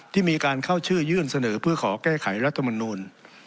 ที่มีการเข้าชื่อยื่นเสนอเพื่อขอแก้ไขรัฐมนูล